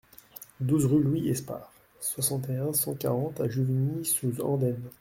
douze rue Louis Esparre, soixante et un, cent quarante à Juvigny-sous-Andaine